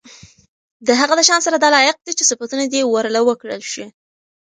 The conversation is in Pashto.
د هغه د شان سره دا لائق دي چې صفتونه دي ورله وکړل شي